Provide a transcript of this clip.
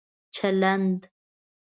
چلند